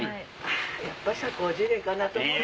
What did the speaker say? やっぱ社交辞令かなと思って。